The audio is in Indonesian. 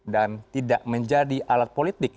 dan tidak menjadi alat politik